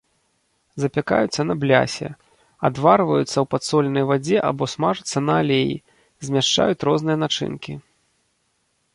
Запякаюцца на блясе, адварваюцца ў падсоленай вадзе або смажацца на алеі, змяшчаюць розныя начынкі.